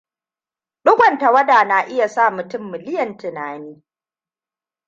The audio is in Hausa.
Digon tawada na iya sa mutum miliyan tunani.